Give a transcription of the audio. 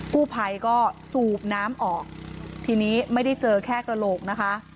กู้ภัยก็สูบน้ำออกทีนี้ไม่ได้เจอแค่กระโหลกนะคะ